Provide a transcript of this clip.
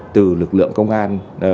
từ lực lượng công an